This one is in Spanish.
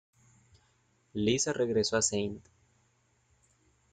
Lisa regresó a St.